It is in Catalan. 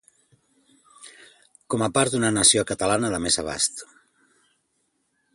com a part d'una nació catalana de més abast